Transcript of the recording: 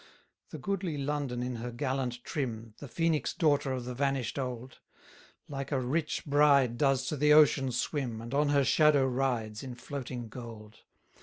151 The goodly London in her gallant trim (The Phoenix daughter of the vanish'd old). Like a rich bride does to the ocean swim, And on her shadow rides in floating gold.